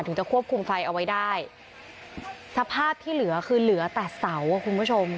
จะควบคุมไฟเอาไว้ได้สภาพที่เหลือคือเหลือแต่เสาอ่ะคุณผู้ชม